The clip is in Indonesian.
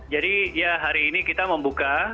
jadi ya hari ini kita membuka